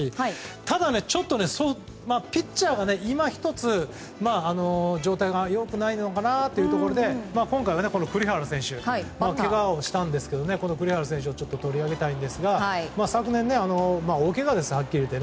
ただ、ピッチャーがいま一つ状態が良くないかなということで今回はけがをしたんですが栗原選手を取り上げたいんですが昨年大けがですはっきり言って。